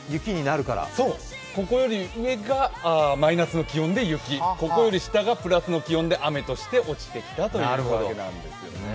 ここより上がマイナスの気温で雪、ここより下がプラスの気温で雨として落ちてきたということです。